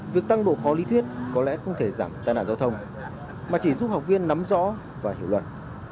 việc tăng độ khó lý thuyết có lẽ không thể giảm tai nạn giao thông mà chỉ giúp học viên nắm rõ và hiểu luật